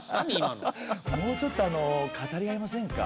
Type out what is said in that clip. もうちょっと語り合いませんか？